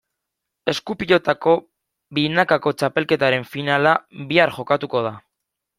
Esku-pilotako binakako txapelketaren finala bihar jokatuko da.